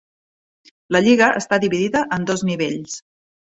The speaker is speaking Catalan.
La lliga està dividida en dos nivells.